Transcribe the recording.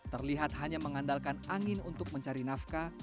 terlihat hanya mengandalkan angin untuk mencari nafkah